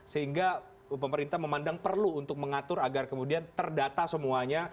sehingga pemerintah memandang perlu untuk mengatur agar kemudian terdata semuanya